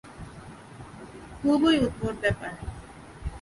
খুবই উদ্ভট ব্যাপার।